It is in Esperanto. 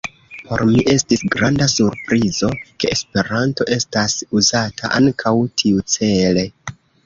Por mi estis granda surprizo, ke Esperanto estas uzata ankaŭ tiucele.